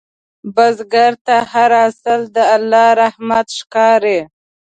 بزګر ته هر حاصل د الله رحمت ښکاري